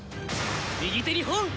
右手に本！